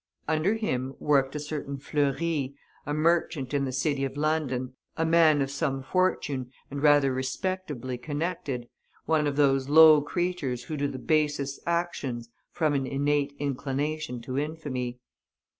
Under him worked a certain Fleury, a merchant in the city of London, a man of some fortune and rather respectably connected, one of those low creatures who do the basest actions from an innate inclination to infamy.